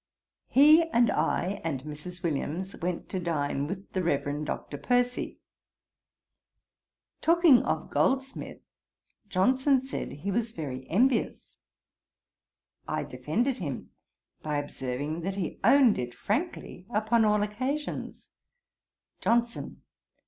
He and I, and Mrs. Williams, went to dine with the Reverend Dr. Percy. Talking of Goldsmith, Johnson said, he was very envious. I defended him, by observing that he owned it frankly upon all occasions. JOHNSON.